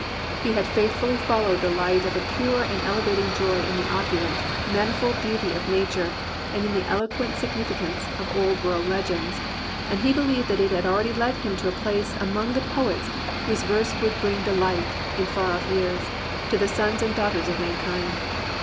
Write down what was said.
He had faithfully followed the light of a pure and elevating joy in the opulent, manifold beauty of nature and in the eloquent sig nificance of old world legends, and he believed that 170 THE POET OF IMMORTAL YOUTH it had already led him to a place among the poets whose verse would bring delight, in far off years, to the sons and daughters of mankind.